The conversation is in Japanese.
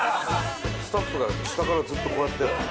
スタッフが下からずっとこうやって。